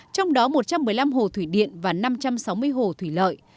trong đó một trăm một mươi năm hồ thủy điện và năm trăm sáu mươi hồ thủy lợi